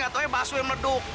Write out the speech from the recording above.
tiba tiba ada suara meleduk